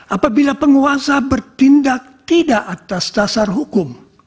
apabila penguasa bertindak tidak atas dasar hukum